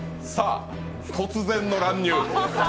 突然の乱入。